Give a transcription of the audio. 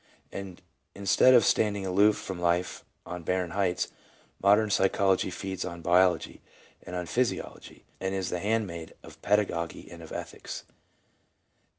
And instead of standing aloof from life on barren heights, modern psychology feeds on biology and on phys iology, and is the handmaid of pedagogy and of ethics.